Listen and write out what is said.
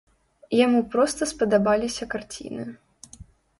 Яму проста спадабаліся карціны.